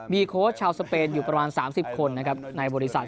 มีโค้ชชาวสเปนอยู่ประมาณ๓๐คนนะครับในบริษัท